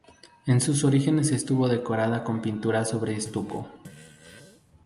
En sus orígenes estuvo decorada con pinturas sobre estuco.